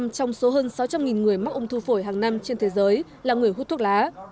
bảy mươi trong số hơn sáu trăm linh người mắc ung thư phổi hàng năm trên thế giới là người hút thuốc lá